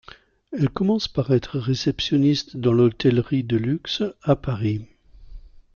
Elle commence par être réceptionniste dans l'hôtellerie de luxe, à Paris.